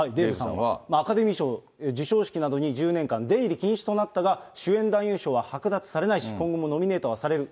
アカデミー賞授賞式などに、１０年間、出入り禁止となったが、主演男優賞は剥奪されないし、今後もノミネートはされる。